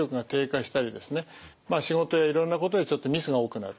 仕事やいろんなことでちょっとミスが多くなる。